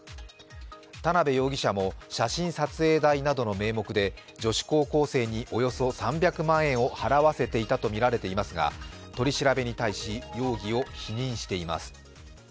田辺容疑者も写真撮影代などの名目で女子高校生におよそ３００万円を払わせていたとみられていますが取り調べに対し、容疑を否認しています。